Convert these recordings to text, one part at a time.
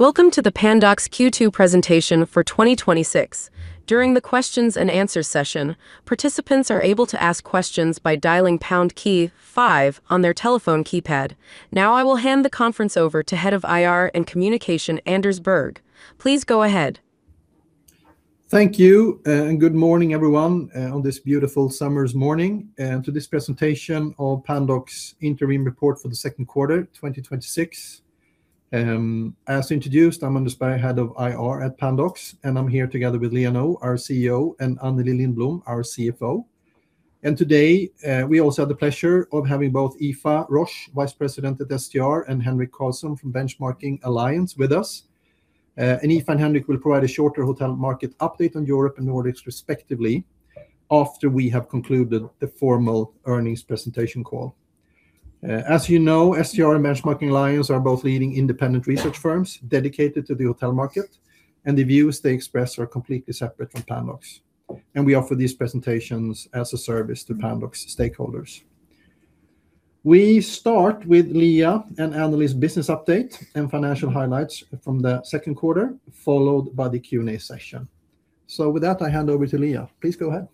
Welcome to the Pandox Q2 presentation for 2026. During the questions and answers session, participants are able to ask questions by dialing pound key five on their telephone keypad. Now I will hand the conference over to Head of IR and Communication, Anders Berg. Please go ahead. Thank you. Good morning, everyone, on this beautiful summer's morning to this presentation of Pandox Interim Report for the second quarter 2026. As introduced, I'm Anders Berg, Head of IR at Pandox, and I'm here together with Liia Nõu, our CEO, and Anneli Lindblom, our CFO. Today, we also have the pleasure of having both Aoife Roche, Vice President at STR, and Henrik Karlsson from Benchmarking Alliance with us. Aoife and Henrik will provide a shorter hotel market update on Europe and Nordics respectively, after we have concluded the formal earnings presentation call. As you know, STR and Benchmarking Alliance are both leading independent research firms dedicated to the hotel market, and the views they express are completely separate from Pandox. We offer these presentations as a service to Pandox stakeholders. We start with Liia and Anneli's business update and financial highlights from the second quarter, followed by the Q&A session. With that, I hand over to Liia. Please go ahead.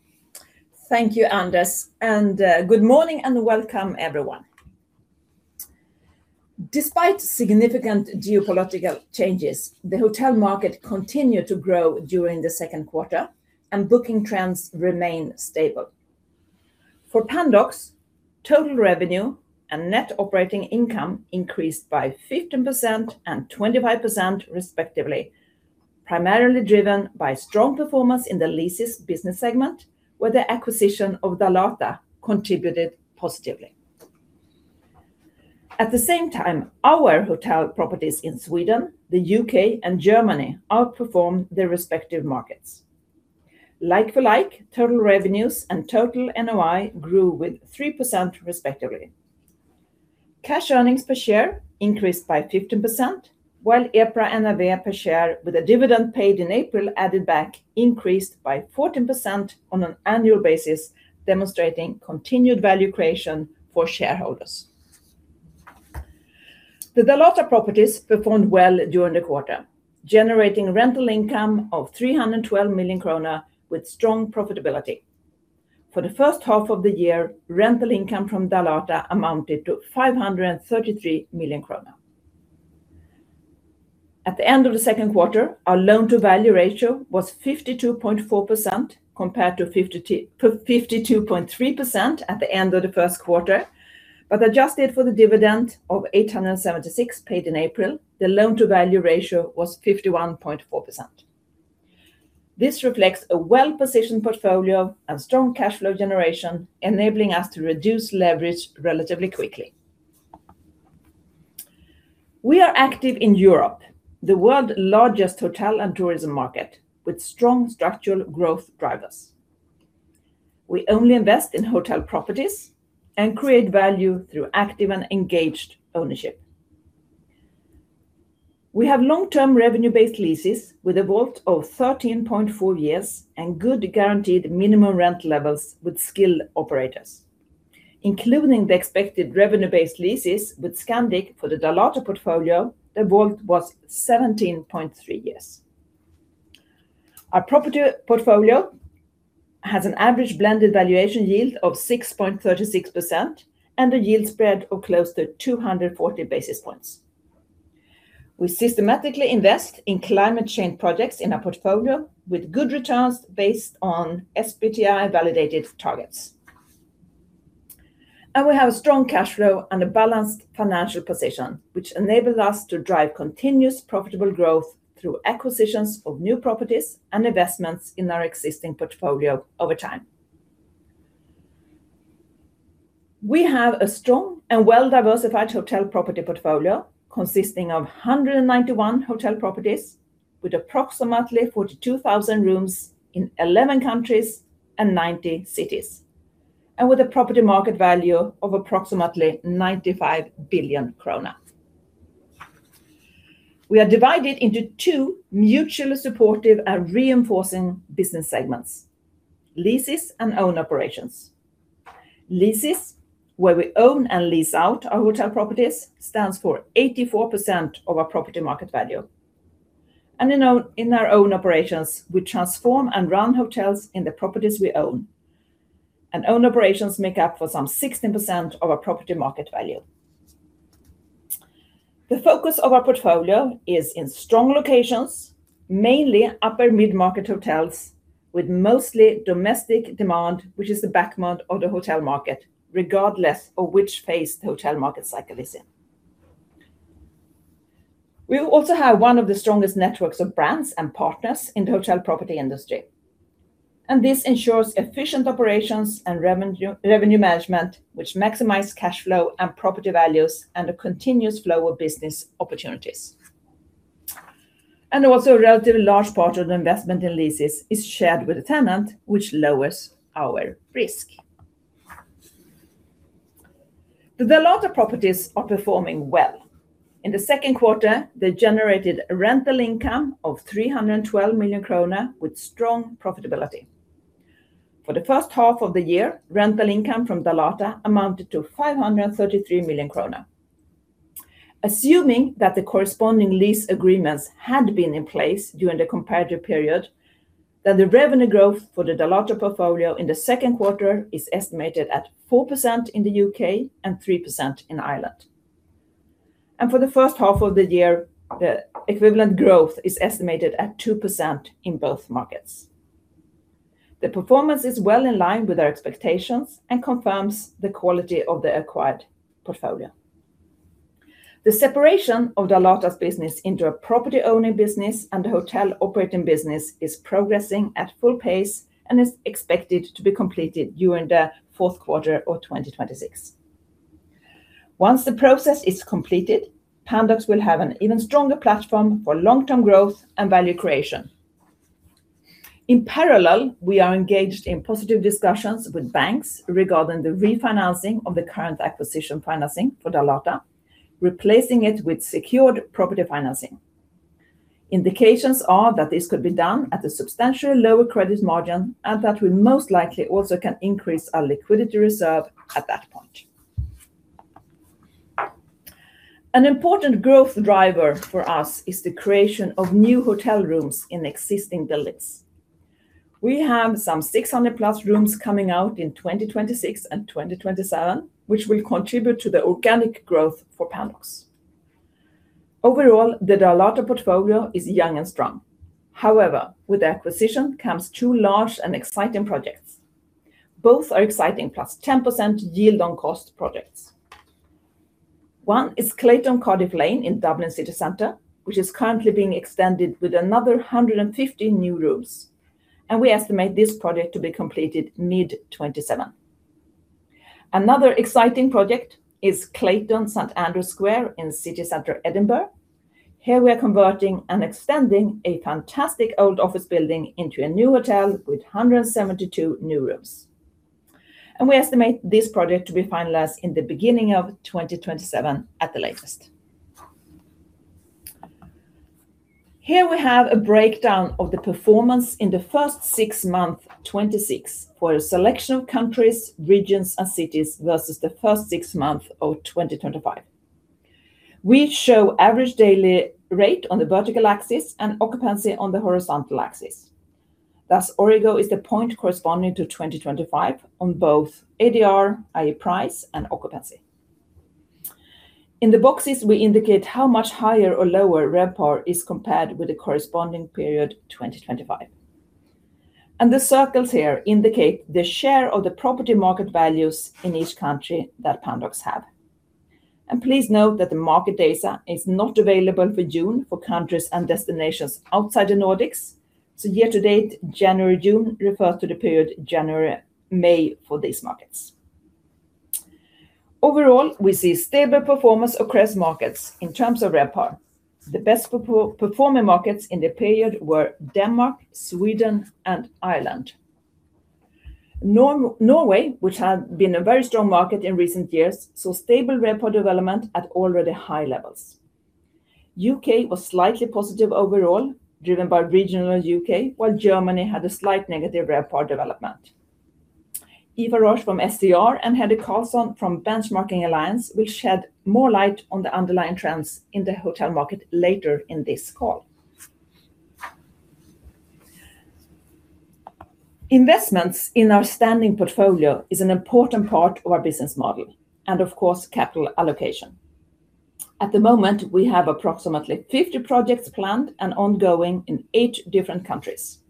Thank you, Anders. Good morning, and welcome everyone. Despite significant geopolitical changes, the hotel market continued to grow during the second quarter, and booking trends remain stable. For Pandox, total revenue and net operating income increased by 15% and 25% respectively, primarily driven by strong performance in the leases business segment, where the acquisition of Dalata contributed positively. At the same time, our hotel properties in Sweden, the U.K., and Germany outperformed their respective markets. Like-for-like total revenues and total NOI grew with 3% respectively. Cash earnings per share increased by 15%, while EPRA NRV per share with a dividend paid in April added back increased by 14% on an annual basis, demonstrating continued value creation for shareholders. The Dalata properties performed well during the quarter, generating rental income of 312 million kronor with strong profitability. For the first half of the year, rental income from Dalata amounted to 533 million krona. At the end of the second quarter, our loan-to-value ratio was 52.4% compared to 52.3% at the end of the first quarter, but adjusted for the dividend of 876 paid in April, the loan-to-value ratio was 51.4%. This reflects a well-positioned portfolio and strong cash flow generation, enabling us to reduce leverage relatively quickly. We are active in Europe, the world's largest hotel and tourism market, with strong structural growth drivers. We only invest in hotel properties and create value through active and engaged ownership. We have long-term revenue-based leases with a WALT of 13.4 years and good guaranteed minimum rent levels with skilled operators. Including the expected revenue-based leases with Scandic for the Dalata portfolio, the WALT was 17.3 years. Our property portfolio has an average blended valuation yield of 6.36% and a yield spread of close to 240 basis points. We systematically invest in climate change projects in our portfolio with good returns based on SBTi-validated targets. We have a strong cash flow and a balanced financial position, which enables us to drive continuous profitable growth through acquisitions of new properties and investments in our existing portfolio over time. We have a strong and well-diversified hotel property portfolio consisting of 191 hotel properties with approximately 42,000 rooms in 11 countries and 90 cities, and with a property market value of approximately 95 billion krona. We are divided into two mutually supportive and reinforcing business segments: leases and owned operations. Leases, where we own and lease out our hotel properties, stands for 84% of our property market value. In our own operations, we transform and run hotels in the properties we own. Owned operations make up for some 16% of our property market value. The focus of our portfolio is in strong locations, mainly upper mid-market hotels with mostly domestic demand, which is the backbone of the hotel market, regardless of which phase the hotel market cycle is in. We also have one of the strongest networks of brands and partners in the hotel property industry. This ensures efficient operations and revenue management, which maximize cash flow and property values and a continuous flow of business opportunities. Also a relatively large part of the investment in leases is shared with the tenant, which lowers our risk. The Dalata properties are performing well. In the second quarter, they generated rental income of 312 million kronor with strong profitability. For the first half of the year, rental income from Dalata amounted to 533 million krona. Assuming that the corresponding lease agreements had been in place during the comparative period, the revenue growth for the Dalata portfolio in the second quarter is estimated at 4% in the U.K. and 3% in Ireland. For the first half of the year, the equivalent growth is estimated at 2% in both markets. The performance is well in line with our expectations and confirms the quality of the acquired portfolio. The separation of Dalata's business into a property-owning business and a hotel operating business is progressing at full pace, and is expected to be completed during the fourth quarter of 2026. Once the process is completed, Pandox will have an even stronger platform for long-term growth and value creation. In parallel, we are engaged in positive discussions with banks regarding the refinancing of the current acquisition financing for Dalata, replacing it with secured property financing. Indications are that this could be done at a substantially lower credit margin, and that we most likely also can increase our liquidity reserve at that point. An important growth driver for us is the creation of new hotel rooms in existing buildings. We have some 600+ rooms coming out in 2026 and 2027, which will contribute to the organic growth for Pandox. Overall, the Dalata portfolio is young and strong. However, with the acquisition comes two large and exciting projects. Both are exciting +10% yield on cost projects. One is Clayton Cardiff Lane in Dublin City Centre, which is currently being extended with another 150 new rooms, and we estimate this project to be completed mid 2027. Another exciting project is Clayton St Andrew Square in city center Edinburgh. Here we are converting and extending a fantastic old office building into a new hotel with 172 new rooms. We estimate this project to be finalized in the beginning of 2027 at the latest. Here we have a breakdown of the performance in the first six months 2026 for a selection of countries, regions, and cities versus the first six months of 2025. We show ADR on the vertical axis and occupancy on the horizontal axis. Thus, Origo is the point corresponding to 2025 on both ADR, i.e., price, and occupancy. In the boxes, we indicate how much higher or lower RevPAR is compared with the corresponding period 2025. The circles here indicate the share of the property market values in each country that Pandox have. Please note that the market data is not available for June for countries and destinations outside the Nordics. So year to date January-June refers to the period January-May for these markets. Overall, we see stable performance across markets in terms of RevPAR. The best-performing markets in the period were Denmark, Sweden, and Ireland. Norway, which had been a very strong market in recent years, saw stable RevPAR development at already high levels. U.K. was slightly positive overall, driven by regional U.K., while Germany had a slight negative RevPAR development. Aoife Roche from STR and Henrik Karlsson from Benchmarking Alliance will shed more light on the underlying trends in the hotel market later in this call. Investments in our standing portfolio is an important part of our business model and of course capital allocation. At the moment, we have approximately 50 projects planned and ongoing in eight different countries.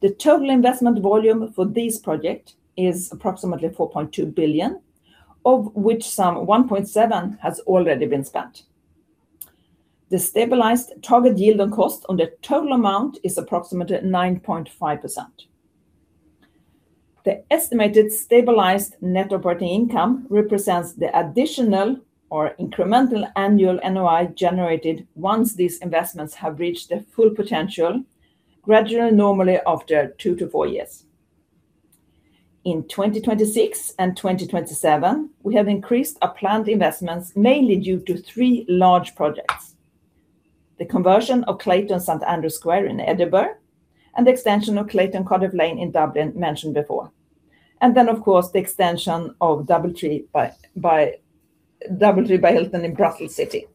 The total investment volume for this project is approximately 4.2 billion, of which some 1.7 has already been spent. The stabilized target yield on cost on the total amount is approximately 9.5%. The estimated stabilized NOI represents the additional or incremental annual NOI generated once these investments have reached their full potential, gradually, normally after two to four years. In 2026 and 2027, we have increased our planned investments mainly due to three large projects: the conversion of Clayton St Andrew Square in Edinburgh, and the extension of Clayton Cardiff Lane in Dublin mentioned before. Then of course, the extension of DoubleTree by Hilton in Brussels City.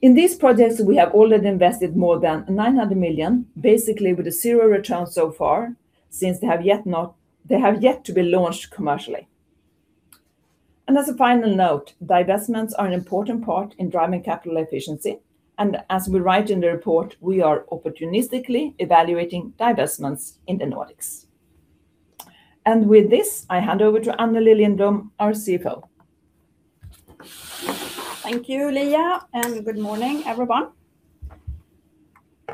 In these projects, we have already invested more than 900 million, basically with a zero return so far, since they have yet to be launched commercially. As a final note, divestments are an important part in driving capital efficiency, and as we write in the report, we are opportunistically evaluating divestments in the Nordics. With this, I hand over to Anneli Lindblom, our CFO. Thank you, Liia, and good morning, everyone.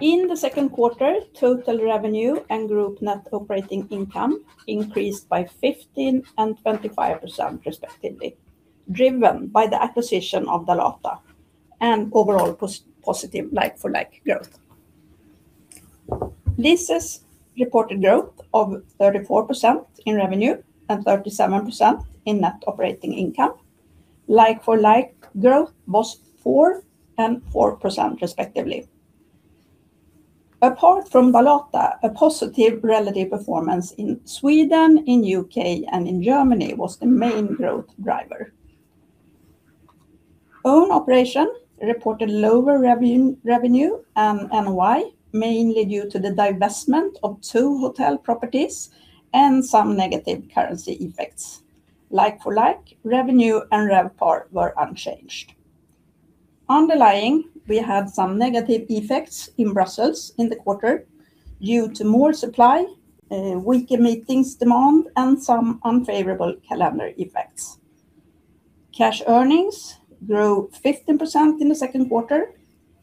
In the second quarter, total revenue and group net operating income increased by 15% and 25% respectively, driven by the acquisition of Dalata and overall positive like-for-like growth. Leases reported growth of 34% in revenue and 37% in net operating income. Like-for-like growth was 4% and 4% respectively. Apart from Dalata, a positive relative performance in Sweden, in U.K., and in Germany was the main growth driver. Own operation reported lower revenue and NOI, mainly due to the divestment of two hotel properties and some negative currency effects. Like-for-like revenue and RevPAR were unchanged. Underlying, we had some negative effects in Brussels in the quarter due to more supply, weaker meetings demand, and some unfavorable calendar effects. Cash earnings grew 15% in the second quarter,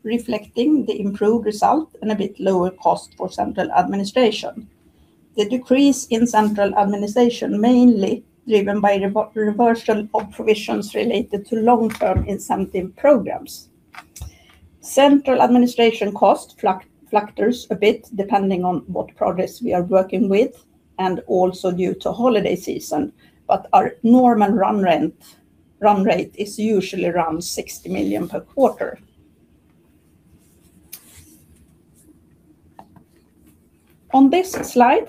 reflecting the improved result and a bit lower cost for central administration. The decrease in central administration mainly driven by reversal of provisions related to long-term incentive programs. Central administration cost fluctuates a bit depending on what progress we are working with and also due to holiday season, but our normal run rate is usually around 60 million per quarter. On this slide,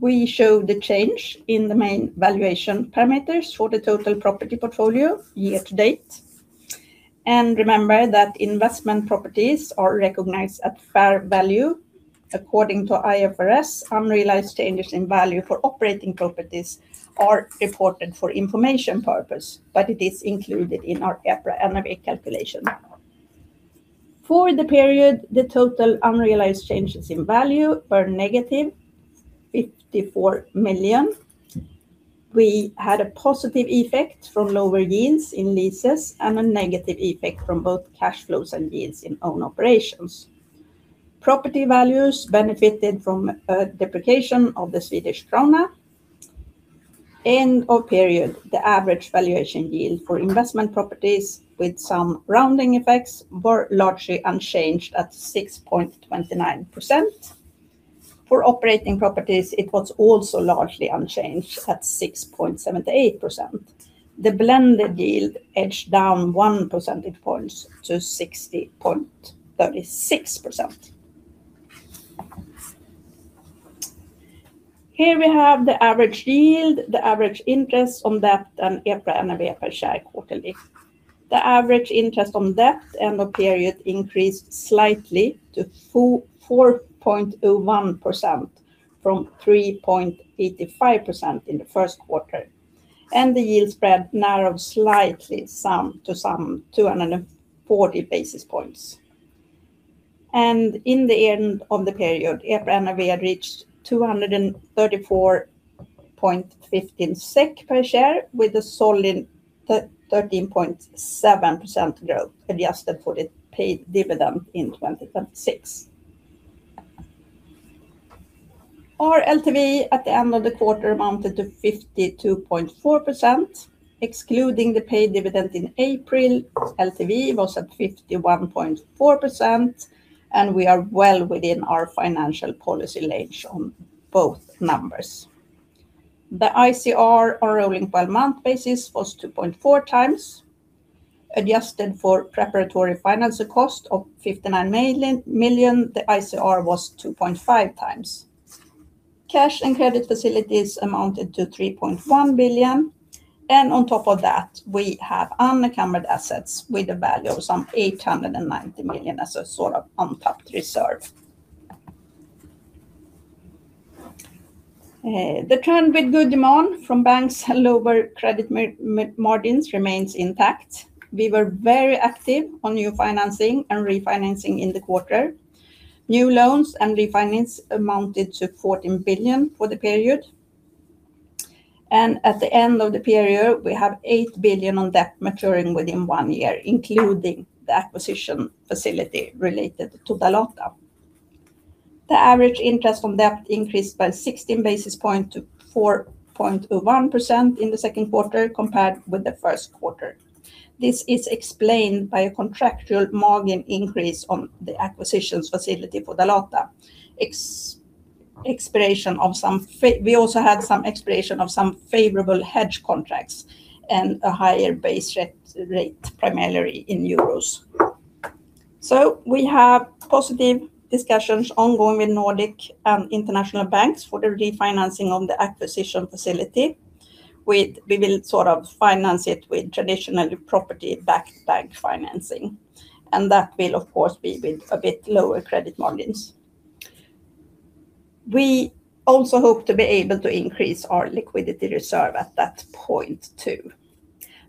we show the change in the main valuation parameters for the total property portfolio year to date. Remember that investment properties are recognized at fair value. According to IFRS, unrealized changes in value for operating properties are reported for information purpose, but it is included in our EPRA NRV calculation. For the period, the total unrealized changes in value were negative, 54 million. We had a positive effect from lower yields in leases and a negative effect from both cash flows and yields in own operations. Property values benefited from a deprecation of the Swedish krona. End of period, the average valuation yield for investment properties with some rounding effects were largely unchanged at 6.29%. For operating properties, it was also largely unchanged at 6.78%. The blended yield edged down 1 percentage point to 6.36%. Here we have the average yield, the average interest on debt, and EPRA NRV per share quarterly. The average interest on debt end of period increased slightly to 4.01% from 3.85% in the first quarter, and the yield spread narrowed slightly to some 240 basis points. In the end of the period, EPRA NRV reached 234.15 SEK per share with a solid 13.7% growth adjusted for the paid dividend in 2026. Our LTV at the end of the quarter amounted to 52.4%, excluding the paid dividend in April. LTV was at 51.4%, and we are well within our financial policy range on both numbers. The ICR on a rolling 12-month basis was 2.4 times. Adjusted for preparatory financing cost of 59 million, the ICR was 2.5 times. Cash and credit facilities amounted to 3.1 billion. On top of that, we have unencumbered assets with a value of some 890 million as a sort of untapped reserve. The trend with good demand from banks and lower credit margins remains intact. We were very active on new financing and refinancing in the quarter. New loans and refinance amounted to 14 billion for the period. At the end of the period, we have 8 billion on debt maturing within one year, including the acquisition facility related to Dalata. The average interest on debt increased by 16 basis points to 4.01% in the second quarter compared with the first quarter. This is explained by a contractual margin increase on the acquisitions facility for Dalata. We also had some expiration of some favorable hedge contracts, a higher base rate primarily in EUR. We have positive discussions ongoing with Nordic and international banks for the refinancing on the acquisition facility. We will finance it with traditional property-backed bank financing, that will, of course, be with a bit lower credit margins. We also hope to be able to increase our liquidity reserve at that point too.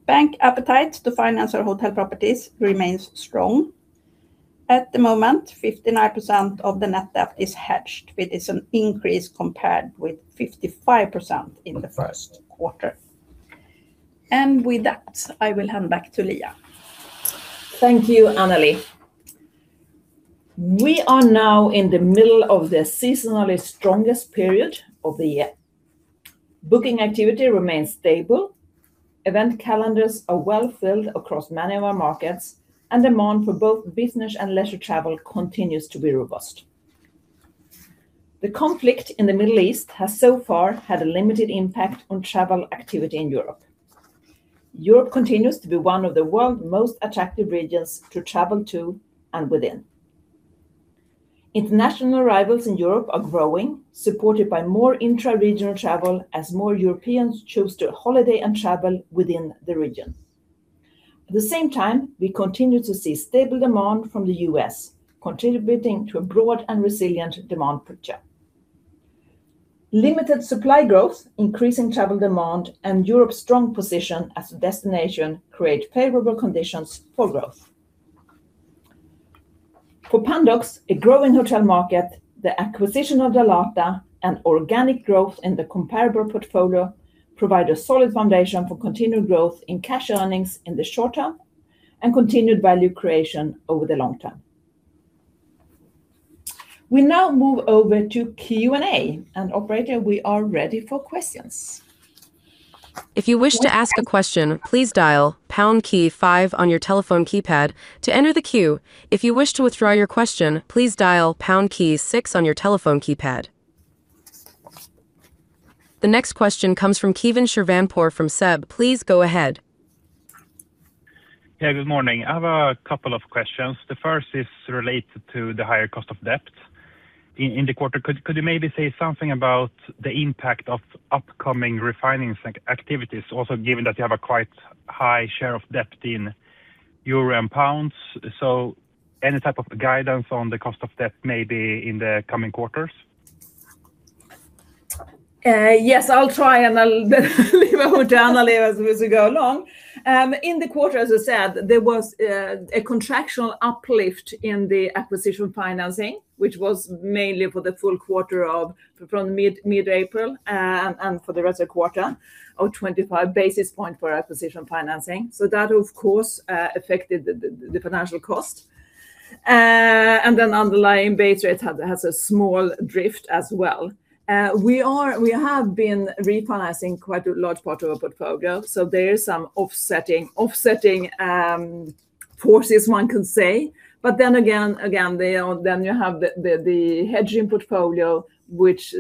Bank appetite to finance our hotel properties remains strong. At the moment, 59% of the net debt is hedged, which is an increase compared with 55% in the first quarter. With that, I will hand back to Liia. Thank you, Anneli. We are now in the middle of the seasonally strongest period of the year. Booking activity remains stable. Event calendars are well-filled across many of our markets, demand for both business and leisure travel continues to be robust. The conflict in the Middle East has so far had a limited impact on travel activity in Europe. Europe continues to be one of the world's most attractive regions to travel to and within. International arrivals in Europe are growing, supported by more intra-regional travel as more Europeans choose to holiday and travel within the region. At the same time, we continue to see stable demand from the U.S., contributing to a broad and resilient demand picture. Limited supply growth, increasing travel demand, Europe's strong position as a destination create favorable conditions for growth. For Pandox, a growing hotel market, the acquisition of Dalata, organic growth in the comparable portfolio provide a solid foundation for continued growth in cash earnings in the short term and continued value creation over the long term. We now move over to Q&A, operator, we are ready for questions. If you wish to ask a question, please dial pound key five on your telephone keypad to enter the queue. If you wish to withdraw your question, please dial pound key six on your telephone keypad. The next question comes from Keivan Shirvanpour from SEB. Please go ahead. Good morning. I have a couple of questions. The first is related to the higher cost of debt in the quarter. Could you maybe say something about the impact of upcoming refinancing activities? Also, given that you have a quite high share of debt in EUR and GBP. Any type of guidance on the cost of debt, maybe in the coming quarters? Yes, I will try and Anneli will elaborate as we go along. In the quarter, as I said, there was a contractual uplift in the acquisition financing, which was mainly for the full quarter of mid-April and for the rest of the quarter of 25 basis points for acquisition financing. That, of course, affected the financial cost. Underlying base rate has a small drift as well. We have been refinancing quite a large part of our portfolio. There is some offsetting forces one could say. You have the hedging portfolio, which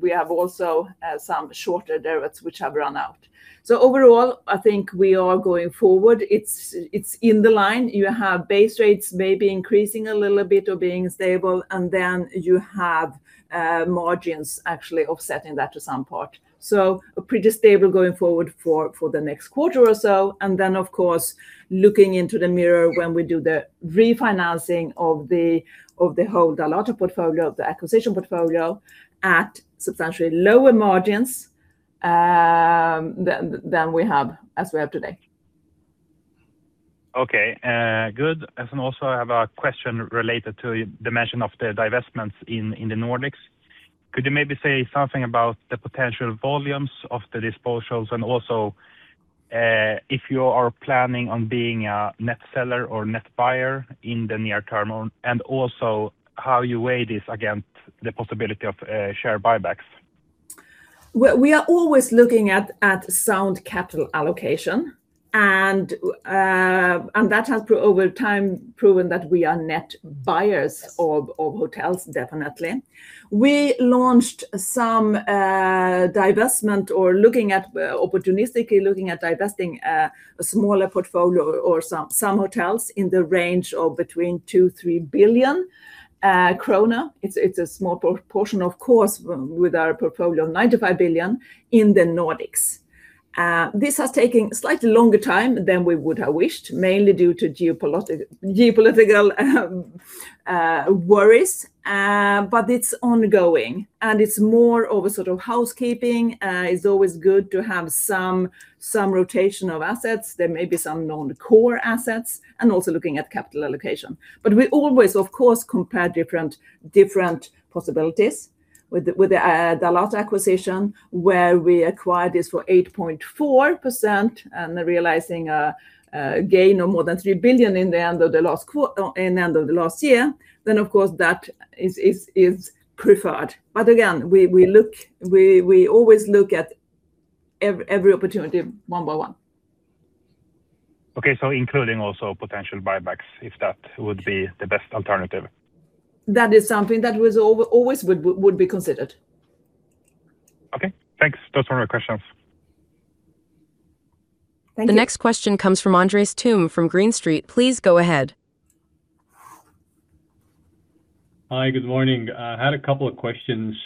we have also some shorter derivatives which have run out. Overall, I think we are going forward. It's in the line. You have base rates maybe increasing a little bit or being stable. You have margins actually offsetting that to some part. Pretty stable going forward for the next quarter or so. Of course, looking into the mirror when we do the refinancing of the whole Dalata portfolio, of the acquisition portfolio at substantially lower margins than we have as we have today. Okay, good. Also, I have a question related to the mention of the divestments in the Nordics. Could you maybe say something about the potential volumes of the disposals and also if you are planning on being a net seller or net buyer in the near term? Also, how you weigh this against the possibility of share buybacks. We are always looking at sound capital allocation, that has over time proven that we are net buyers of hotels, definitely. We launched some divestment or opportunistically looking at divesting a smaller portfolio or some hotels in the range of between 2 billion-3 billion krona. It's a small portion, of course, with our portfolio, 95 billion in the Nordics. This has taken a slightly longer time than we would have wished, mainly due to geopolitical worries. It's ongoing, it's more over sort of housekeeping. It's always good to have some rotation of assets. There may be some non-core assets and also looking at capital allocation. We always, of course, compare different possibilities with the Dalata acquisition, where we acquired this for 8.4% and realizing a gain of more than 3 billion in the end of the last year. Of course, that is preferred. Again, we always look at every opportunity one by one. Okay. Including also potential buybacks, if that would be the best alternative. That is something that always would be considered. Okay, thanks. Those were my questions. Thank you. The next question comes from Andres Toome from Green Street. Please go ahead. Hi, good morning. I had a couple of questions.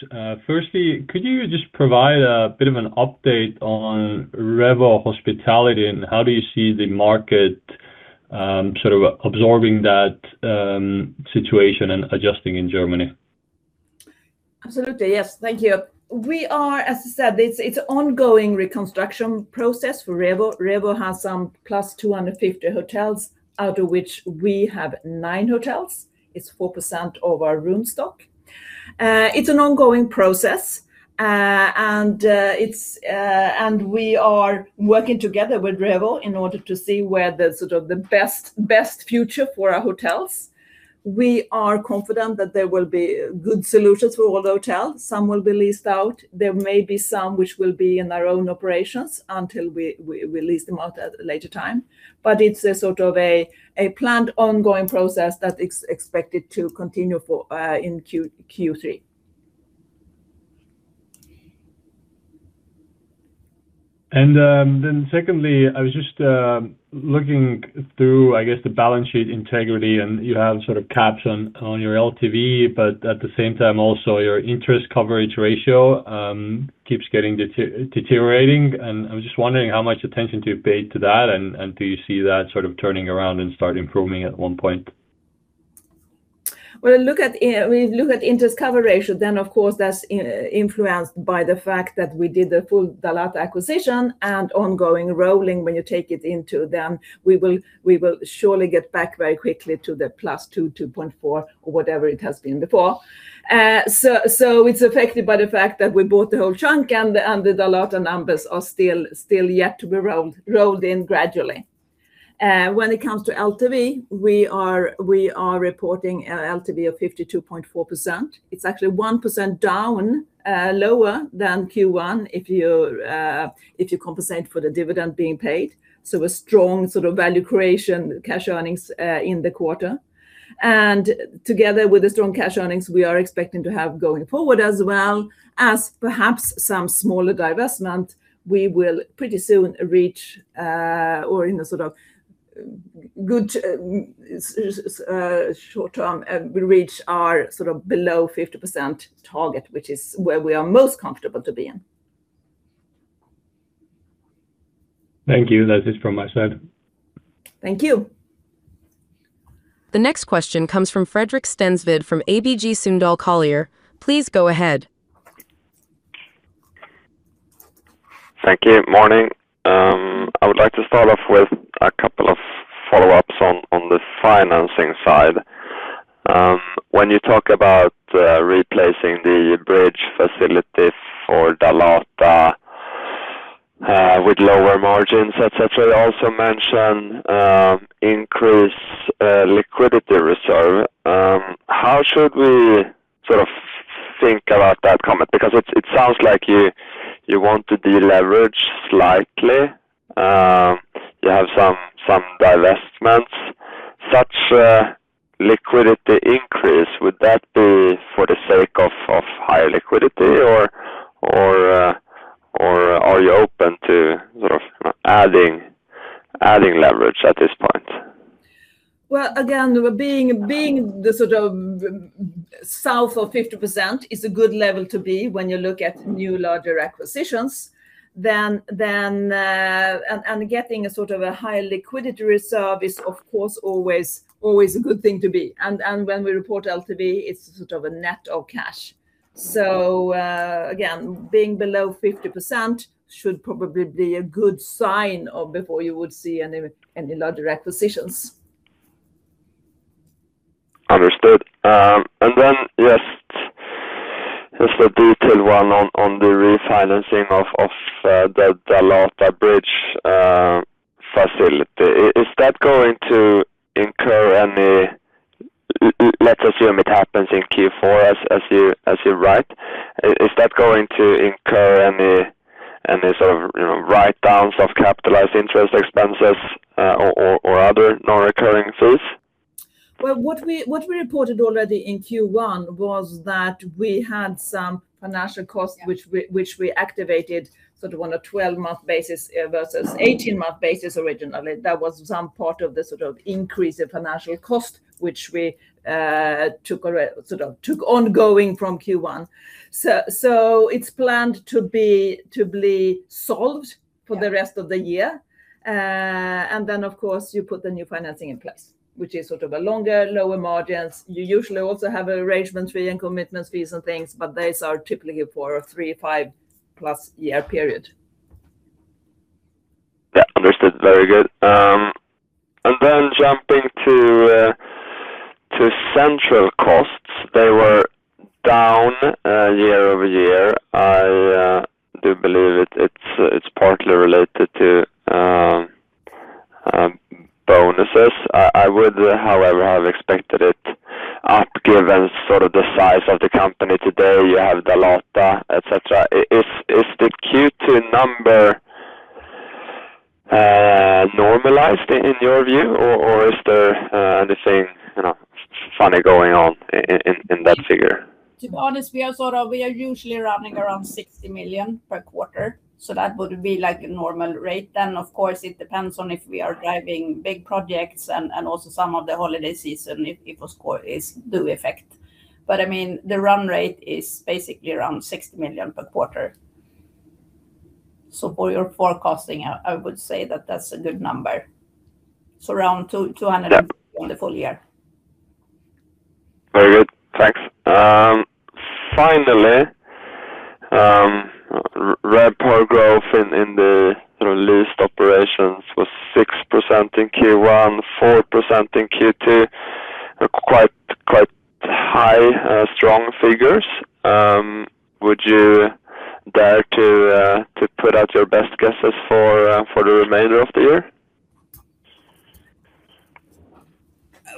Firstly, could you just provide a bit of an update on Revo Hospitality and how do you see the market sort of absorbing that situation and adjusting in Germany? Absolutely, yes. Thank you. As I said, it's an ongoing reconstruction process for Revo. Revo has some 250+ hotels, out of which we have nine hotels. It's 4% of our room stock. It's an ongoing process. We are working together with Revo in order to see where the best future for our hotels. We are confident that there will be good solutions for all the hotels. Some will be leased out. There may be some which will be in our own operations until we lease them out at a later time. It's a sort of a planned ongoing process that is expected to continue in Q3. Then secondly, I was just looking through the balance sheet integrity, you have caps on your LTV, but at the same time also your interest coverage ratio keeps deteriorating. I was just wondering how much attention you paid to that, do you see that turning around and start improving at one point? When we look at interest coverage ratio, then of course that's influenced by the fact that we did the full Dalata acquisition and ongoing rolling. When you take it into them, we will surely get back very quickly to the +2.4% or whatever it has been before. It's affected by the fact that we bought the whole chunk and the Dalata numbers are still yet to be rolled in gradually. When it comes to LTV, we are reporting an LTV of 52.4%. It's actually 1% down, lower than Q1 if you compensate for the dividend being paid. A strong value creation cash earnings in the quarter. Together with the strong cash earnings we are expecting to have going forward as well as perhaps some smaller divestment, we will pretty soon reach, or in a good short term, we reach our below 50% target, which is where we are most comfortable to be in. Thank you. That is from my side. Thank you. The next question comes from Fredrik Stensved from ABG Sundal Collier. Please go ahead. Thank you. Morning. I would like to start off with a couple of follow-ups on the financing side. When you talk about replacing the bridge facility for Dalata with lower margins, et cetera, you also mention increase liquidity reserve. How should we think about that comment? Because it sounds like you want to deleverage slightly. You have some divestments. Such a liquidity increase, would that be for the sake of higher liquidity or are you open to adding leverage at this point? Well, again, being the south of 50% is a good level to be when you look at new larger acquisitions. Getting a higher liquidity reserve is of course always a good thing to be. When we report LTV, it's a net of cash. Again, being below 50% should probably be a good sign of before you would see any larger acquisitions. Understood. Just a detailed one on the refinancing of the Dalata bridge facility. Let's assume it happens in Q4 as you write. Is that going to incur any sort of write-downs of capitalized interest expenses or other non-recurring fees? What we reported already in Q1 was that we had some financial costs which we activated sort of on a 12-month basis versus 18-month basis originally. That was some part of the increase of financial cost, which we took ongoing from Q1. It's planned to be solved for the rest of the year. Of course, you put the new financing in place, which is a longer, lower margins. You usually also have arrangement fee and commitment fees and things, but those are typically for a three, five plus year period. Understood. Very good. Jumping to central costs. They were down year-over-year. I do believe it's partly related to bonuses. I would, however, have expected it up given the size of the company today. You have Dalata, et cetera. Is the Q2 number normalized in your view, or is there anything funny going on in that figure? To be honest, we are usually running around 60 million per quarter, so that would be like a normal rate. Of course, it depends on if we are driving big projects and also some of the holiday season if it was due effect. The run rate is basically around 60 million per quarter. For your forecasting, I would say that that's a good number. Around 200 million in the full year. Very good. Thanks. Finally, RevPAR growth in the leased operations was 6% in Q1, 4% in Q2. Quite high, strong figures. Would you dare to put out your best guesses for the remainder of the year?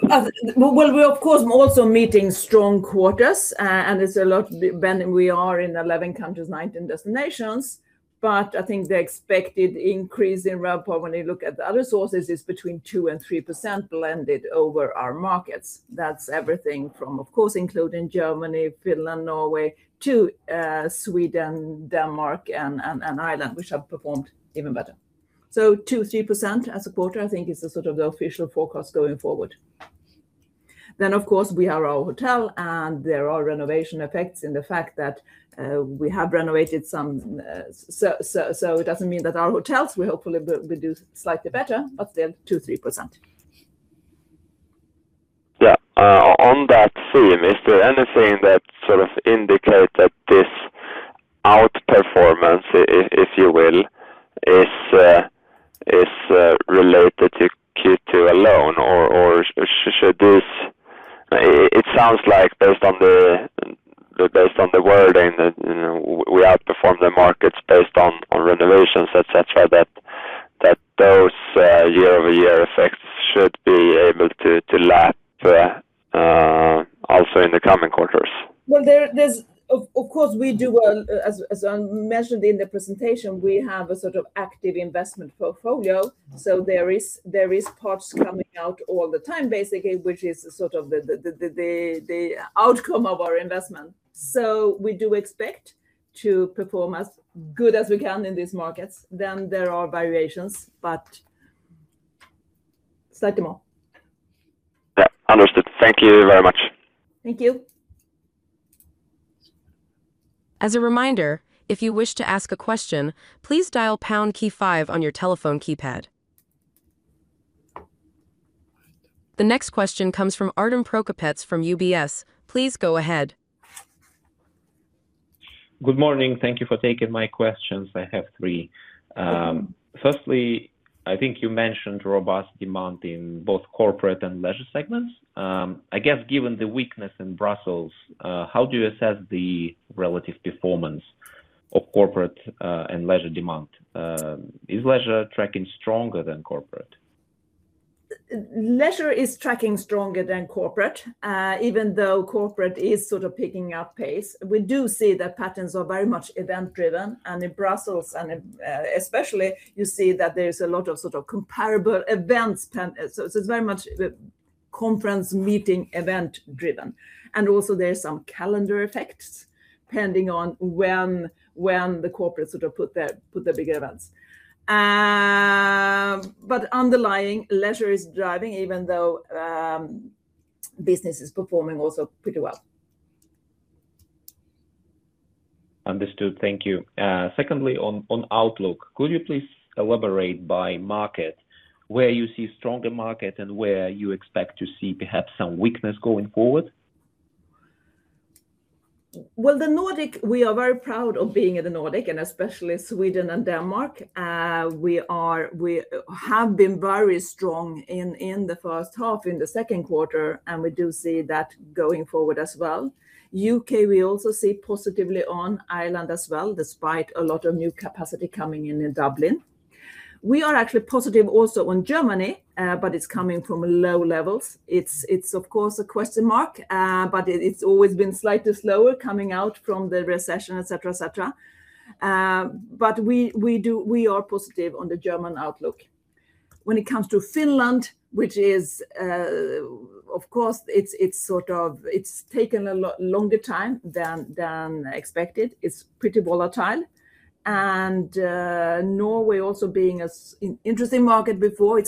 Well, we of course are also meeting strong quarters, and we are in 11 countries, 19 destinations, but I think the expected increase in RevPAR when you look at the other sources is between 2% and 3% blended over our markets. That's everything from, of course, including Germany, Finland, Norway to Sweden, Denmark, and Ireland, which have performed even better. 2%, 3% as a quarter, I think is the official forecast going forward. Of course, we are a hotel, and there are renovation effects in the fact that we have renovated some. It doesn't mean that our hotels will hopefully do slightly better, but still 2%, 3%. Yeah. On that theme, is there anything that indicates that this outperformance, if you will, is related to Q2 alone? It sounds like based on the wording that we outperformed the markets based on renovations, et cetera, that those year-over-year effects should be able to lap also in the coming quarters. Well, of course, as I mentioned in the presentation, we have a sort of active investment portfolio. There are parts coming out all the time basically, which is the outcome of our investment. We do expect to perform as good as we can in these markets. There are variations, but slightly more. Yeah. Understood. Thank you very much. Thank you. As a reminder, if you wish to ask a question, please dial pound key five on your telephone keypad. The next question comes from Artem Prokopets from UBS. Please go ahead. Good morning. Thank you for taking my questions. I have three. Firstly, I think you mentioned robust demand in both corporate and leisure segments. I guess given the weakness in Brussels, how do you assess the relative performance of corporate and leisure demand? Is leisure tracking stronger than corporate? Leisure is tracking stronger than corporate, even though corporate is picking up pace. We do see that patterns are very much event-driven. In Brussels especially, you see that there's a lot of comparable events. It's very much conference, meeting, event-driven. Also there are some calendar effects pending on when the corporates put their big events. Underlying, leisure is driving, even though business is performing also pretty well. Understood. Thank you. Secondly, on outlook, could you please elaborate by market where you see stronger market and where you expect to see perhaps some weakness going forward? The Nordic, we are very proud of being in the Nordic, especially Sweden and Denmark. We have been very strong in the first half, in the second quarter, and we do see that going forward as well. U.K., we also see positively on Ireland as well, despite a lot of new capacity coming in in Dublin. We are actually positive also on Germany, but it's coming from low levels. It's of course a question mark, but it's always been slightly slower coming out from the recession, et cetera. We are positive on the German outlook. When it comes to Finland, which of course, it's taken a lot longer time than expected. It's pretty volatile. Norway also being an interesting market before, it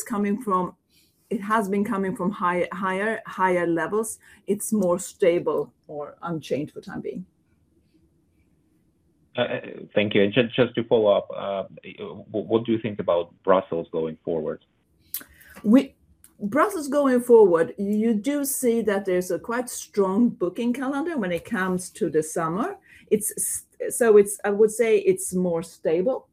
has been coming from higher levels. It's more stable or unchanged for the time being. Thank you. Just to follow up, what do you think about Brussels going forward? Brussels going forward, you do see that there's a quite strong booking calendar when it comes to the summer. I would say it's more stable.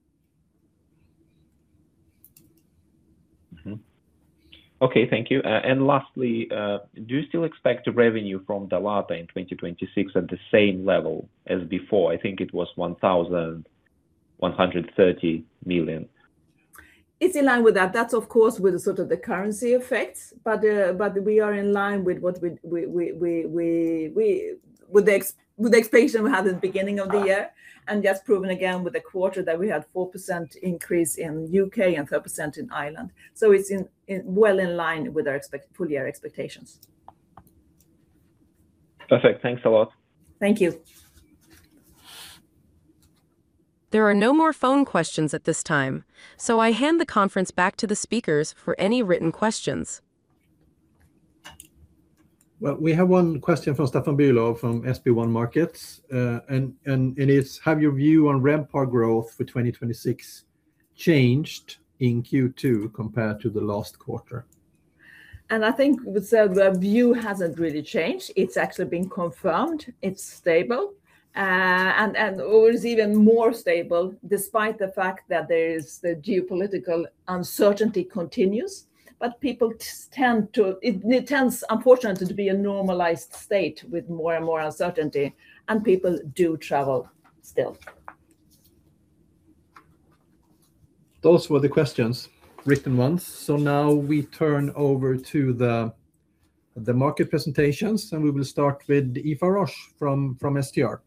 Okay. Thank you. Lastly, do you still expect the revenue from Dalata in 2026 at the same level as before? I think it was 1,130 million. It's in line with that. That's of course with the currency effects. We are in line with the expansion we had at the beginning of the year, and that's proven again with the quarter that we had 4% increase in U.K. and 3% in Ireland. It's well in line with our full-year expectations. Perfect. Thanks a lot. Thank you. There are no more phone questions at this time. I hand the conference back to the speakers for any written questions. Well, we have one question from Staffan Bülow from SB1 Markets. It is: Have your view on RevPAR growth for 2026 changed in Q2 compared to the last quarter? I think the view hasn't really changed. It's actually been confirmed. It's stable. And/or it's even more stable despite the fact that the geopolitical uncertainty continues. It tends, unfortunately, to be a normalized state with more and more uncertainty, and people do travel still. Those were the questions, written ones. Now we turn over to the market presentations, and we will start with Aoife Roche from STR.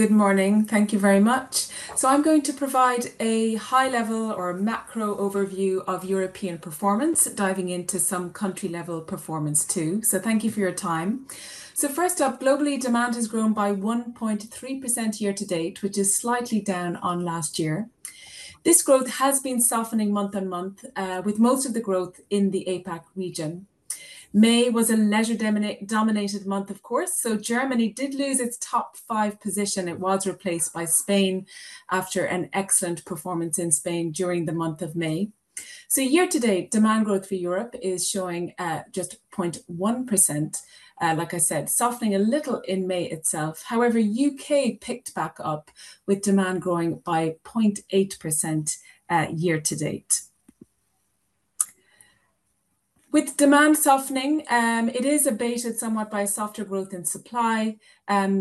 Good morning. Thank you very much. I'm going to provide a high level or a macro overview of European performance, diving into some country level performance too. Thank you for your time. First up, globally, demand has grown by 1.3% year to date, which is slightly down on last year. This growth has been softening month on month, with most of the growth in the APAC region. May was a leisure dominated month, of course. Germany did lose its top five position. It was replaced by Spain after an excellent performance in Spain during the month of May. Year to date, demand growth for Europe is showing at just 0.1%, like I said, softening a little in May itself. However, U.K. picked back up with demand growing by 0.8% year to date. With demand softening, it is abated somewhat by softer growth in supply.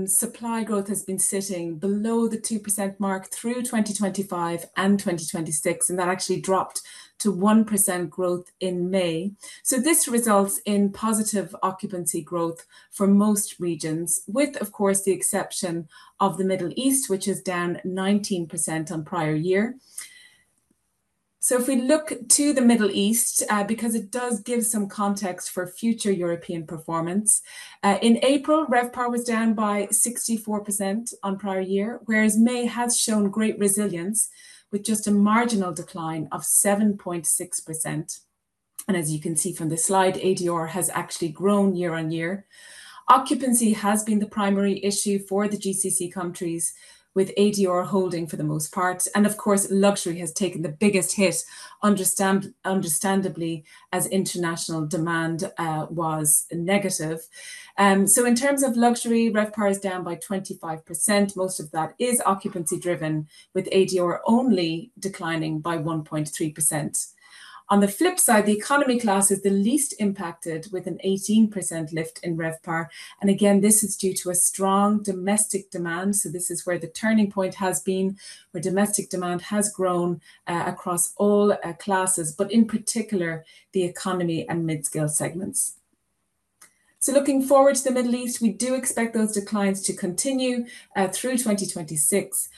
Supply growth has been sitting below the 2% mark through 2025 and 2026, and that actually dropped to 1% growth in May. This results in positive occupancy growth for most regions with, of course, the exception of the Middle East, which is down 19% on prior year. If we look to the Middle East, because it does give some context for future European performance. In April, RevPAR was down by 64% on prior year, whereas May has shown great resilience with just a marginal decline of 7.6%. As you can see from this slide, ADR has actually grown year-on-year. Occupancy has been the primary issue for the GCC countries, with ADR holding for the most part. Of course, luxury has taken the biggest hit, understandably, as international demand was negative. In terms of luxury, RevPAR is down by 25%. Most of that is occupancy driven, with ADR only declining by 1.3%. On the flip side, the economy class is the least impacted, with an 18% lift in RevPAR. Again, this is due to a strong domestic demand. This is where the turning point has been, where domestic demand has grown across all classes, but in particular, the economy and mid-scale segments. Looking forward to the Middle East, we do expect those declines to continue through 2026.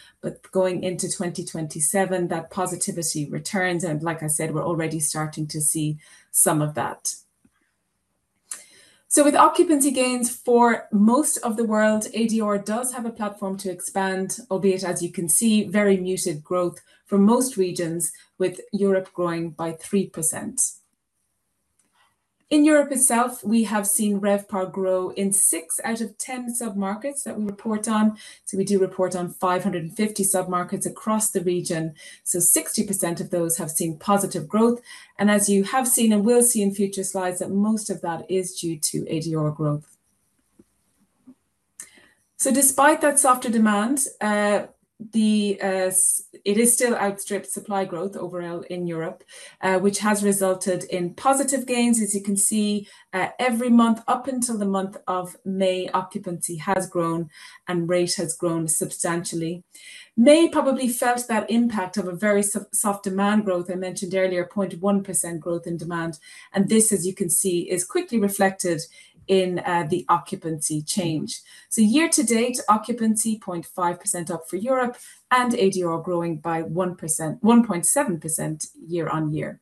Going into 2027, that positivity returns. Like I said, we're already starting to see some of that. With occupancy gains for most of the world, ADR does have a platform to expand, albeit, as you can see, very muted growth for most regions, with Europe growing by 3%. In Europe itself, we have seen RevPAR grow in six out of 10 sub-markets that we report on. We do report on 550 sub-markets across the region. 60% of those have seen positive growth. As you have seen and will see in future slides, that most of that is due to ADR growth. Despite that softer demand, it is still outstripped supply growth overall in Europe, which has resulted in positive gains. As you can see, every month up until the month of May, occupancy has grown and rate has grown substantially. May probably felt that impact of a very soft demand growth. I mentioned earlier, 0.1% growth in demand. This, as you can see, is quickly reflected in the occupancy change. Year to date, occupancy 0.5% up for Europe and ADR growing by 1.7% year-on-year.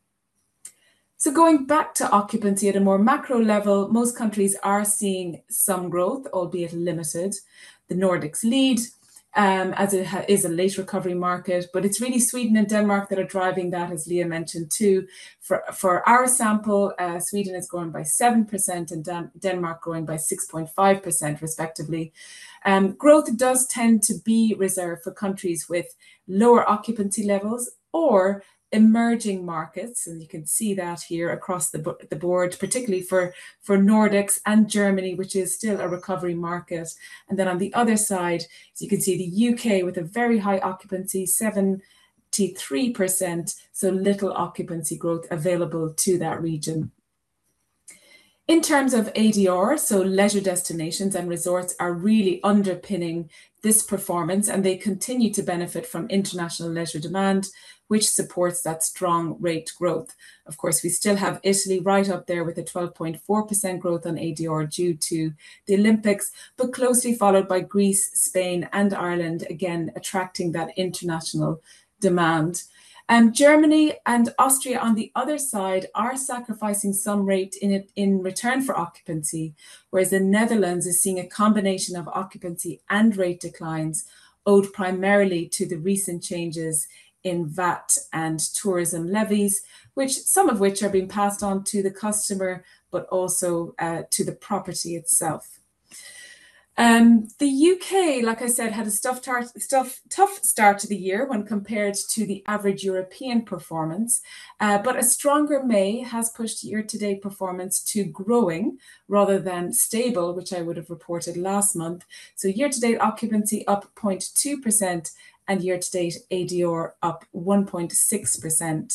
Going back to occupancy at a more macro level, most countries are seeing some growth, albeit limited. The Nordics lead, as it is a late recovery market, but it's really Sweden and Denmark that are driving that, as Liia mentioned too. For our sample, Sweden has grown by 7% and Denmark growing by 6.5% respectively. Growth does tend to be reserved for countries with lower occupancy levels or emerging markets, and you can see that here across the board, particularly for Nordics and Germany, which is still a recovery market. On the other side, as you can see, the U.K. with a very high occupancy, 73%, so little occupancy growth available to that region. In terms of ADR, so leisure destinations and resorts are really underpinning this performance, and they continue to benefit from international leisure demand, which supports that strong rate growth. Of course, we still have Italy right up there with a 12.4% growth on ADR due to the Olympics, but closely followed by Greece, Spain, and Ireland, again, attracting that international demand. Germany and Austria on the other side, are sacrificing some rate in return for occupancy, whereas the Netherlands is seeing a combination of occupancy and rate declines owed primarily to the recent changes in VAT and tourism levies, some of which are being passed on to the customer, but also to the property itself. The U.K., like I said, had a tough start to the year when compared to the average European performance. A stronger May has pushed year-to-date performance to growing rather than stable, which I would have reported last month. Year-to-date occupancy up 0.2% and year-to-date ADR up 1.6%.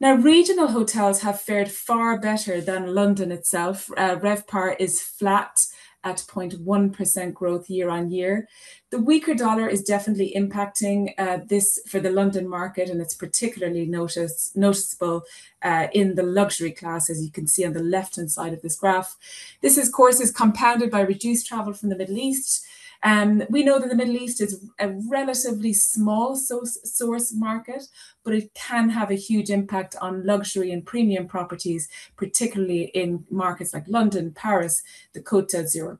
Regional hotels have fared far better than London itself. RevPAR is flat at 0.1% growth year-on-year. The weaker dollar is definitely impacting this for the London market, and it's particularly noticeable in the luxury class, as you can see on the left-hand side of this graph. This, of course, is compounded by reduced travel from the Middle East. We know that the Middle East is a relatively small source market, but it can have a huge impact on luxury and premium properties, particularly in markets like London, Paris, the Côte d'Azur.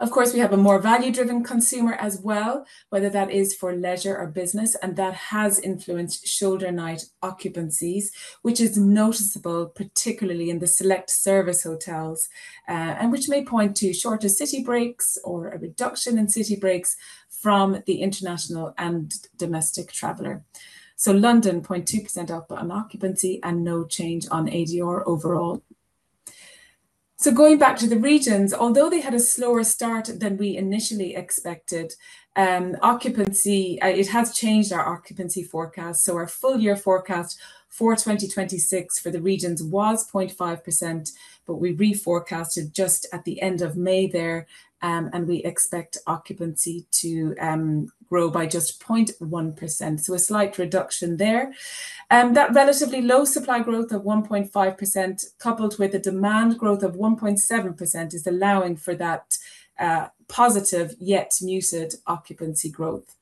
Of course, we have a more value-driven consumer as well, whether that is for leisure or business, and that has influenced shoulder night occupancies, which is noticeable particularly in the select service hotels, and which may point to shorter city breaks or a reduction in city breaks from the international and domestic traveler. London, 0.2% up on occupancy and no change on ADR overall. Going back to the regions, although they had a slower start than we initially expected, it has changed our occupancy forecast. Our full year forecast for 2026 for the regions was 0.5%, but we reforecasted just at the end of May there, and we expect occupancy to grow by just 0.1%, so a slight reduction there. That relatively low supply growth of 1.5%, coupled with the demand growth of 1.7%, is allowing for that positive yet muted occupancy growth.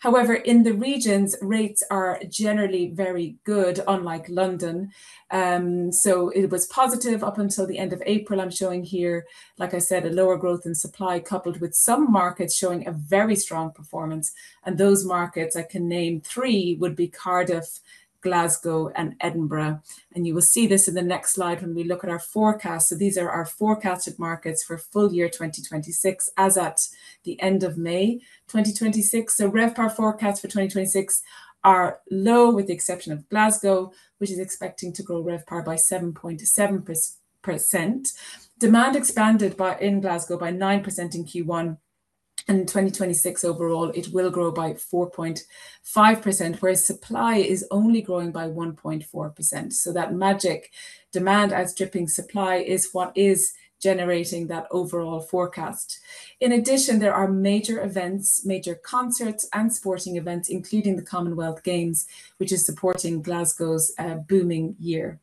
However, in the regions, rates are generally very good, unlike London. It was positive up until the end of April, I'm showing here. Like I said, a lower growth in supply coupled with some markets showing a very strong performance, and those markets, I can name three, would be Cardiff, Glasgow, and Edinburgh. You will see this in the next slide when we look at our forecast. These are our forecasted markets for full year 2026 as at the end of May 2026. RevPAR forecasts for 2026 are low with the exception of Glasgow, which is expecting to grow RevPAR by 7.7%. Demand expanded in Glasgow by 9% in Q1. In 2026 overall, it will grow by 4.5%, whereas supply is only growing by 1.4%. That magic demand outstripping supply is what is generating that overall forecast. In addition, there are major events, major concerts, and sporting events, including the Commonwealth Games, which is supporting Glasgow's booming year.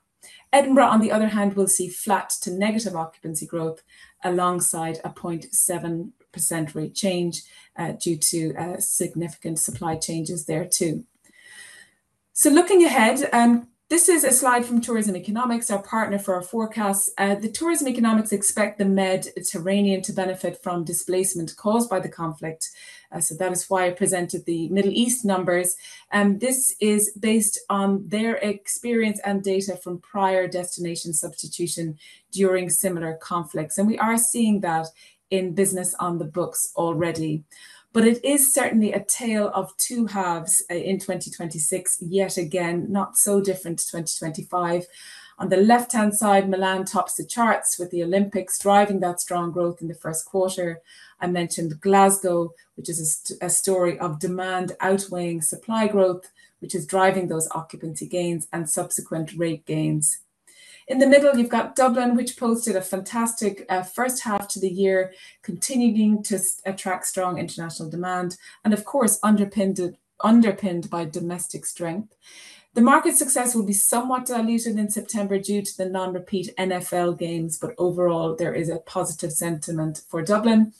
Edinburgh, on the other hand, will see flat to negative occupancy growth alongside a 0.7% rate change due to significant supply changes there too. Looking ahead, this is a slide from Tourism Economics, our partner for our forecast. Tourism Economics expect the Mediterranean to benefit from displacement caused by the conflict. That is why I presented the Middle East numbers. This is based on their experience and data from prior destination substitution during similar conflicts, and we are seeing that in business on the books already. It is certainly a tale of two halves in 2026, yet again, not so different to 2025. On the left-hand side, Milan tops the charts with the Olympics driving that strong growth in the first quarter. I mentioned Glasgow, which is a story of demand outweighing supply growth, which is driving those occupancy gains and subsequent rate gains. In the middle, you've got Dublin, which posted a fantastic first half to the year, continuing to attract strong international demand and of course, underpinned by domestic strength. The market success will be somewhat diluted in September due to the non-repeat NFL games, but overall, there is a positive sentiment for Dublin.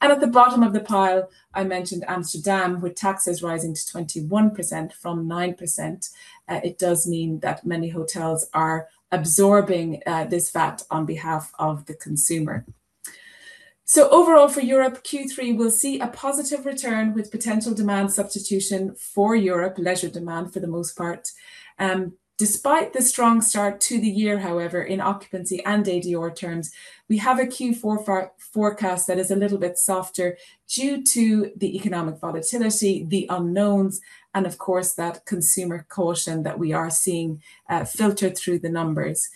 At the bottom of the pile, I mentioned Amsterdam, with taxes rising to 21% from 9%. It does mean that many hotels are absorbing this VAT on behalf of the consumer. Overall for Europe, Q3 will see a positive return with potential demand substitution for Europe, leisure demand for the most part. Despite the strong start to the year, however, in occupancy and ADR terms, we have a Q4 forecast that is a little bit softer due to the economic volatility, the unknowns, of course, that consumer caution that we are seeing filter through the numbers.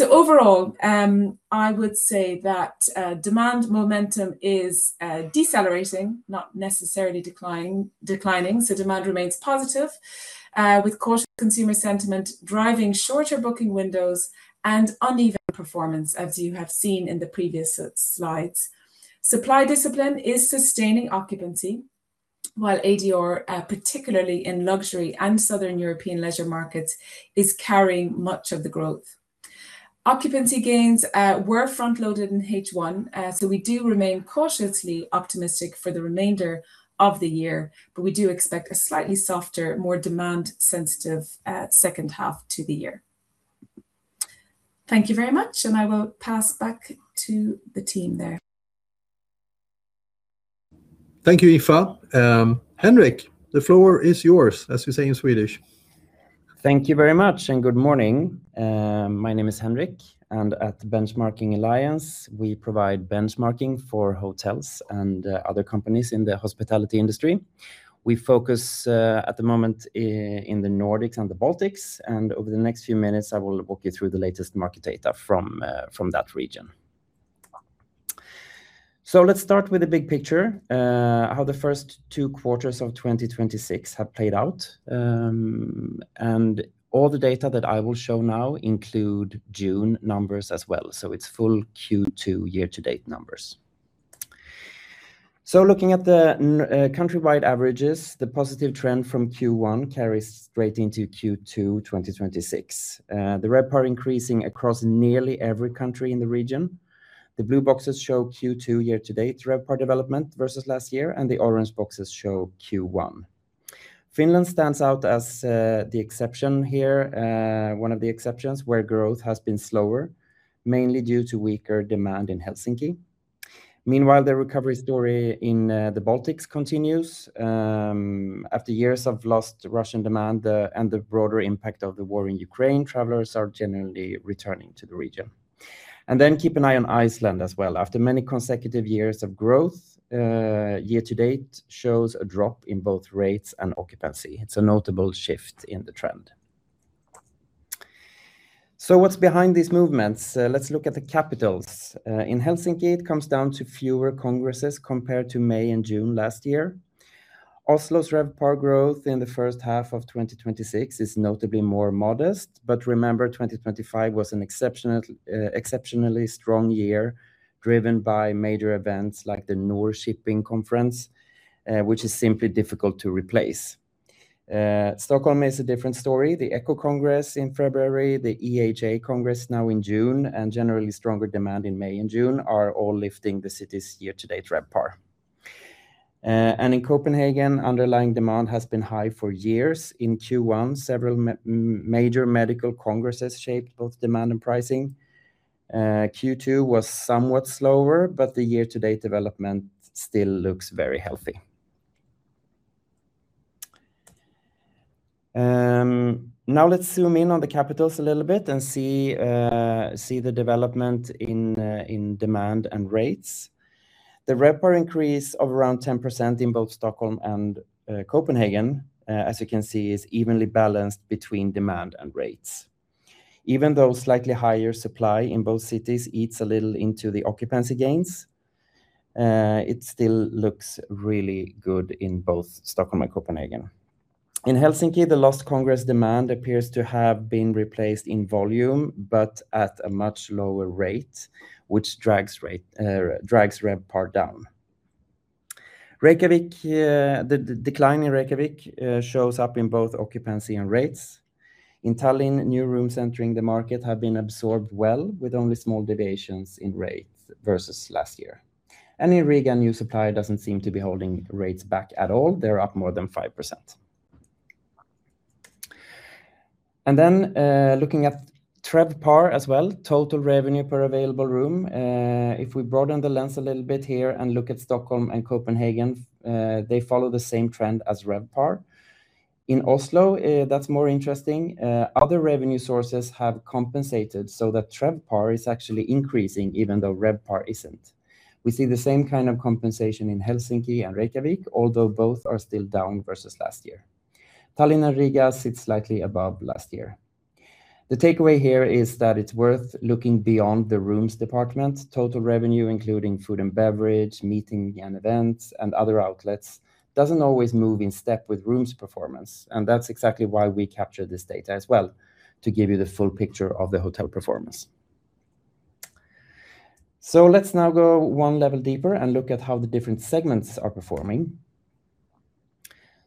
Overall, I would say that demand momentum is decelerating, not necessarily declining. Demand remains positive, with cautious consumer sentiment driving shorter booking windows and uneven performance, as you have seen in the previous slides. Supply discipline is sustaining occupancy, while ADR, particularly in luxury and Southern European leisure markets, is carrying much of the growth. Occupancy gains were front-loaded in H1, we do remain cautiously optimistic for the remainder of the year, but we do expect a slightly softer, more demand-sensitive second half to the year. Thank you very much, and I will pass back to the team there. Thank you, Aoife. Henrik, the floor is yours, as we say in Swedish. Thank you very much and good morning. My name is Henrik, and at Benchmarking Alliance, we provide benchmarking for hotels and other companies in the hospitality industry. We focus at the moment in the Nordics and the Baltics, and over the next few minutes, I will walk you through the latest market data from that region. Let's start with the big picture, how the first two quarters of 2026 have played out. All the data that I will show now include June numbers as well, so it's full Q2 year-to-date numbers. Looking at the countrywide averages, the positive trend from Q1 carries straight into Q2 2026. The RevPAR increasing across nearly every country in the region. The blue boxes show Q2 year-to-date RevPAR development versus last year, and the orange boxes show Q1. Finland stands out as one of the exceptions, where growth has been slower, mainly due to weaker demand in Helsinki. Meanwhile, the recovery story in the Baltics continues. After years of lost Russian demand and the broader impact of the war in Ukraine, travelers are generally returning to the region. Then keep an eye on Iceland as well. After many consecutive years of growth, year to date shows a drop in both rates and occupancy. It's a notable shift in the trend. What's behind these movements? Let's look at the capitals. In Helsinki, it comes down to fewer congresses compared to May and June last year. Oslo's RevPAR growth in the first half of 2026 is notably more modest. Remember, 2025 was an exceptionally strong year, driven by major events like the Nor-Shipping Conference, which is simply difficult to replace. Stockholm is a different story. The Echo Congress in February, the EHA Congress now in June, and generally stronger demand in May and June are all lifting the city's year-to-date RevPAR. In Copenhagen, underlying demand has been high for years. In Q1, several major medical congresses shaped both demand and pricing. Q2 was somewhat slower, but the year-to-date development still looks very healthy. Let's zoom in on the capitals a little bit and see the development in demand and rates. The RevPAR increase of around 10% in both Stockholm and Copenhagen, as you can see, is evenly balanced between demand and rates. Even though slightly higher supply in both cities eats a little into the occupancy gains, it still looks really good in both Stockholm and Copenhagen. In Helsinki, the lost congress demand appears to have been replaced in volume, but at a much lower rate, which drags RevPAR down. The decline in Reykjavik shows up in both occupancy and rates. In Tallinn, new rooms entering the market have been absorbed well, with only small deviations in rates versus last year. In Riga, new supply doesn't seem to be holding rates back at all. They're up more than 5%. Looking at TRevPAR as well, Total Revenue Per Available Room. If we broaden the lens a little bit here and look at Stockholm and Copenhagen, they follow the same trend as RevPAR. In Oslo, that's more interesting. Other revenue sources have compensated so that TRevPAR is actually increasing even though RevPAR isn't. We see the same kind of compensation in Helsinki and Reykjavik, although both are still down versus last year. Tallinn and Riga sit slightly above last year. The takeaway here is that it's worth looking beyond the rooms department. Total revenue, including food and beverage, meeting and events, and other outlets, doesn't always move in step with rooms performance. That's exactly why we capture this data as well, to give you the full picture of the hotel performance. Let's now go one level deeper and look at how the different segments are performing.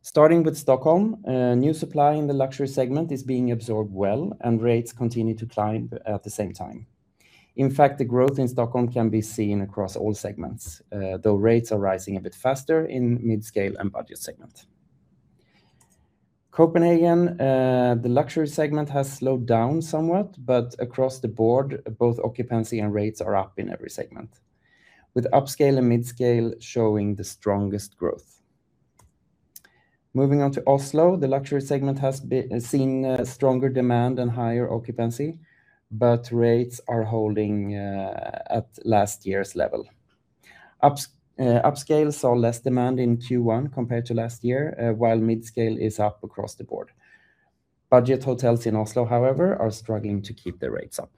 Starting with Stockholm, new supply in the luxury segment is being absorbed well, and rates continue to climb at the same time. In fact, the growth in Stockholm can be seen across all segments, though rates are rising a bit faster in mid-scale and budget segment. Copenhagen, the luxury segment has slowed down somewhat, but across the board, both occupancy and rates are up in every segment, with upscale and mid-scale showing the strongest growth. Moving on to Oslo, the luxury segment has seen stronger demand and higher occupancy, but rates are holding at last year's level. Upscale saw less demand in Q1 compared to last year, while mid-scale is up across the board. Budget hotels in Oslo, however, are struggling to keep their rates up.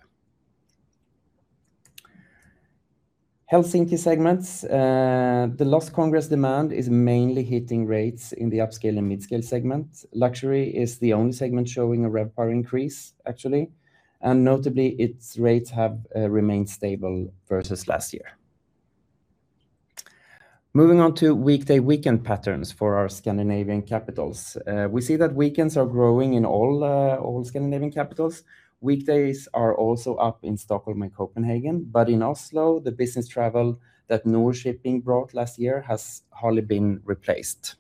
Helsinki segments. The lost congress demand is mainly hitting rates in the upscale and mid-scale segment. Luxury is the only segment showing a RevPAR increase, actually, and notably, its rates have remained stable versus last year. Moving on to weekday weekend patterns for our Scandinavian capitals. We see that weekends are growing in all Scandinavian capitals. Weekdays are also up in Stockholm and Copenhagen. In Oslo, the business travel that Nor-Shipping brought last year has hardly been replaced.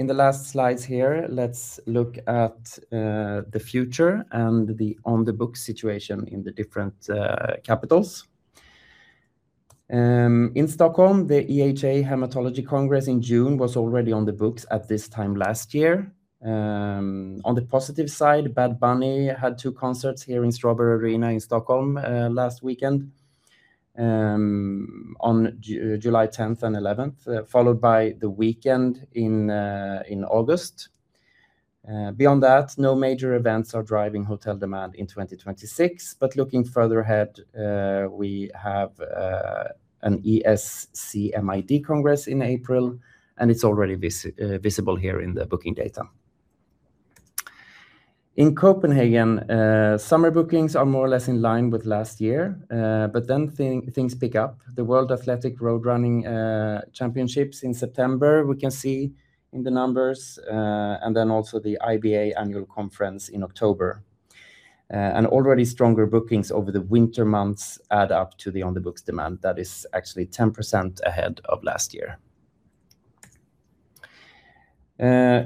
In the last slides here, let's look at the future and the on-the-book situation in the different capitals. In Stockholm, the EHA Congress in June was already on the books at this time last year. On the positive side, Bad Bunny had two concerts here in Strawberry Arena in Stockholm last weekend. On July 10th and 11th, followed by The Weeknd in August. Beyond that, no major events are driving hotel demand in 2026. Looking further ahead, we have an ESCMID Global in April, and it's already visible here in the booking data. In Copenhagen, summer bookings are more or less in line with last year, but then things pick up. The World Athletics Road Running Championships in September, we can see in the numbers, and the IBA Annual Conference in October. Already stronger bookings over the winter months add up to the on-the-books demand that is actually 10% ahead of last year.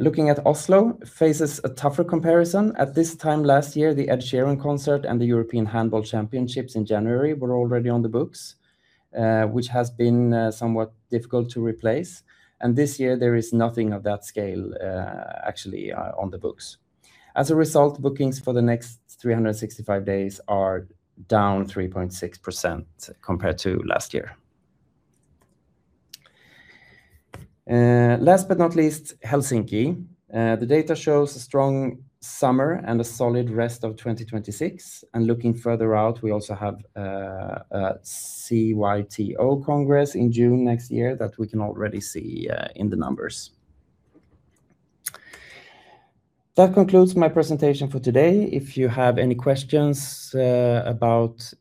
Looking at Oslo, faces a tougher comparison. At this time last year, the Ed Sheeran concert and the European Handball Championships in January were already on the books, which has been somewhat difficult to replace. This year, there is nothing of that scale actually on the books. As a result, bookings for the next 365 days are down 3.6% compared to last year. Last but not least, Helsinki. The data shows a strong summer and a solid rest of 2026. Looking further out, we also have a CYTO Congress in June next year that we can already see in the numbers. That concludes my presentation for today. If you have any questions about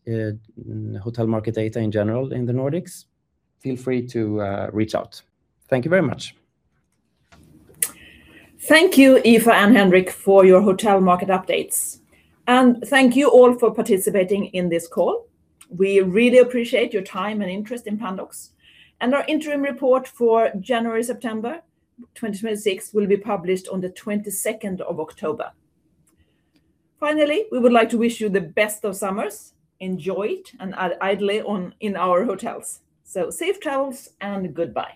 hotel market data in general in the Nordics, feel free to reach out. Thank you very much. Thank you, Aoife and Henrik, for your hotel market updates. Thank you all for participating in this call. We really appreciate your time and interest in Pandox. Our interim report for January-September 2026 will be published on the 22nd of October. Finally, we would like to wish you the best of summers. Enjoy it and ideally in our hotels. Safe travels and goodbye.